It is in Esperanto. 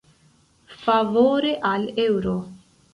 Favore al eŭro.